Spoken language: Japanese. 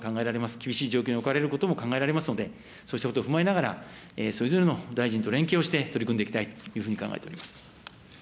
厳しい状況に置かれることも考えられますので、そうしたことを踏まえながら、それぞれの大臣と連携をして取り組んでいきたいというふうに考えております。